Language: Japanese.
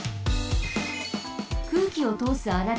くうきをとおす穴です。